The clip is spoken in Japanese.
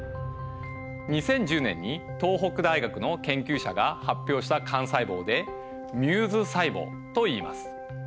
２０１０年に東北大学の研究者が発表した幹細胞で「ミューズ細胞」といいます。